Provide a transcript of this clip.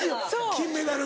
金メダル。